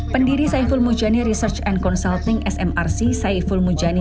pendiri saiful mujani research and consulting smrc saiful mujani